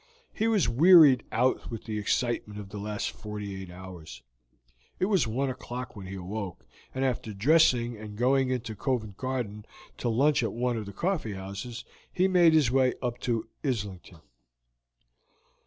He was wearied out with the excitement of the last forty eight hours. It was one o'clock when he awoke, and after dressing and going into Covent Garden to lunch at one of the coffee houses, he made his way up to Islington.